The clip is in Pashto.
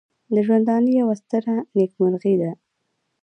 د ژوندانه یوه ستره نېکمرغي ده.